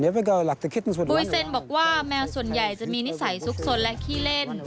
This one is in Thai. บอกว่าแมวส่วนใหญ่จะมีนิสัยซุกสนและขี้เล่น